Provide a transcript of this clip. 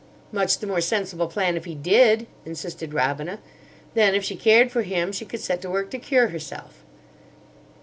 "Much the more sensible plan if he did," insisted Robina. "Then if she cared for him she could set to work to cure herself."